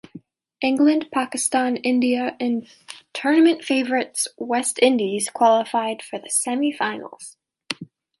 England, Pakistan, India and tournament favourites West Indies qualified for the semi-finals.